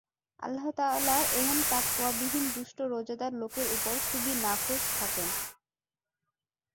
আল্লাহ তাআলা এহেন তাকওয়াবিহীন দুষ্ট রোজাদার লোকের ওপর খুবই নাখোশ থাকেন।